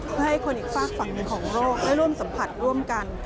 เพื่อให้คนอีกฝากฝั่งหนึ่งของโลกได้ร่วมสัมผัสร่วมกัน